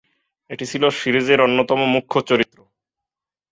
এটি ছিল সিরিজের অন্যতম মুখ্য চরিত্র।